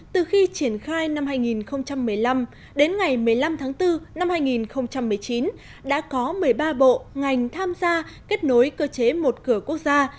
từ khi triển khai năm hai nghìn một mươi năm đến ngày một mươi năm tháng bốn năm hai nghìn một mươi chín đã có một mươi ba bộ ngành tham gia kết nối cơ chế một cửa quốc gia